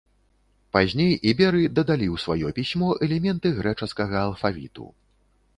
Пазней іберы дадалі ў сваё пісьмо элементы грэчаскага алфавіту.